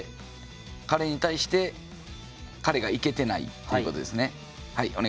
彼に対して彼がいけてないということですね。